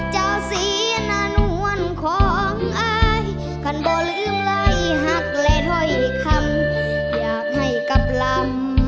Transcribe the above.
เจ้าศรีนานวลของอายท่านบ่ลืมไล่หักและถ้อยคำอยากให้กลับลำ